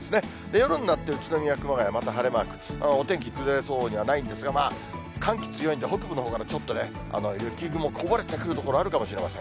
夜になって、宇都宮、熊谷、また晴れマーク。お天気崩れそうにはないんですが、まあ、寒気強いんで、北部のほうがちょっとね、雪雲、こぼれてくる所あるかもしれません。